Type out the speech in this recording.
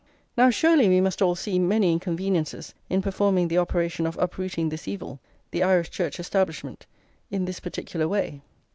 Now surely we must all see many inconveniences in performing the operation of uprooting this evil, the Irish Church establishment, in this particular way.